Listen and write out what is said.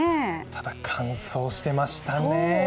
ただ乾燥してましたね。